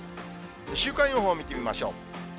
週間予報を見てみましょう。